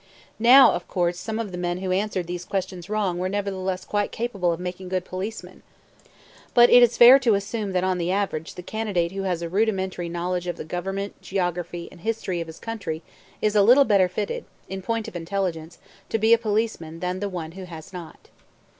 Now of course some of the men who answered these questions wrong were nevertheless quite capable of making good policemen; but it is fair to assume that on the average the candidate who has a rudimentary knowledge of the government, geography, and history of his country is a little better fitted, in point of intelligence, to be a policeman than the one who has not.